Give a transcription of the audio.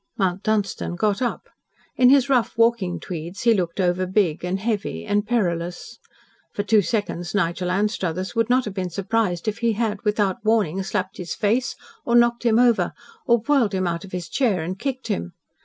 Mount Dunstan got up. In his rough walking tweeds he looked over big and heavy and perilous. For two seconds Nigel Anstruthers would not have been surprised if he had without warning slapped his face, or knocked him over, or whirled him out of his chair and kicked him.